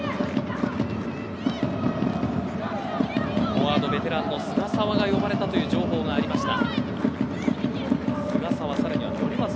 フォワードベテランの菅澤が呼ばれたという情報がありました。